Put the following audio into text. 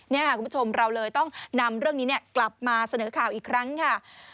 นี่ค่ะคุณผู้ชมเราเลยต้องนำเรื่องนี้กลับมาเสนอข่าวอีกครั้งค่ะ